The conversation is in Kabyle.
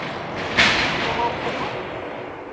Ɣerqen akk.